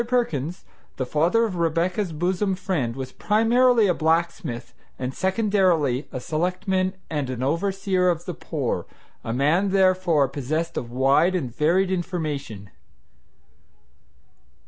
Perkins, the father of Rebecca's bosom friend, was primarily a blacksmith, and secondarily a selectman and an overseer of the poor, a man therefore possessed of wide and varied information.